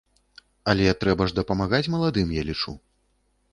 Але трэба ж дапамагаць маладым, я лічу.